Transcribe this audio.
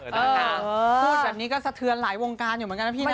พูดแบบนี้ก็สะเทือนหลายวงการอยู่เหมือนกันนะพี่นะ